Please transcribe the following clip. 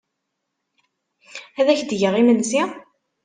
Ad ak-d-geɣ imensi?